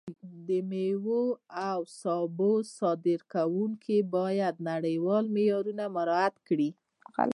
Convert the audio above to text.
د میوو او سبو صادروونکي باید نړیوال معیارونه مراعت کړي.